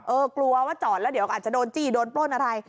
กลัวว่าจอดแล้วเดี๋ยวก็อาจจะโดนจี้โดนปล้นอะไร